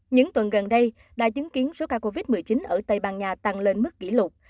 những tuần gần đây đã chứng kiến số ca covid một mươi chín ở tây ban nha tăng lên mức kỷ lục